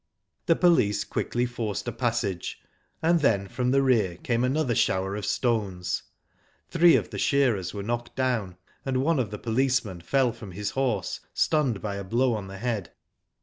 The police quickly forced a passage, and then, from the rear, came another shower of stones. Three of the shearers were knocked down, and one of the policemen fell from his horse, stunned by a blow on the head.